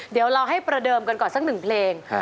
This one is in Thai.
เดี๋ยวเราให้ประเดิมกันก่อนสักหนึ่งเพลง